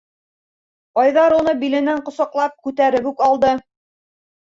Айҙар уны биленән ҡосаҡлап күтәреп үк алды.